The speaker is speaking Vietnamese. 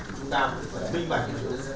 chúng ta phải minh mạnh